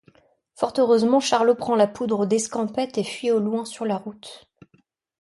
Fort heureusement Charlot prend la poudre d'escampette et fuit au loin sur la route.